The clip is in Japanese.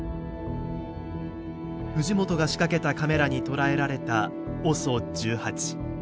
藤本が仕掛けたカメラに捉えられたＯＳＯ１８。